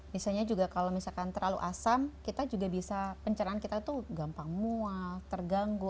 misalnya juga kalau misalkan terlalu asam kita juga bisa pencerahan kita tuh gampang mual terganggu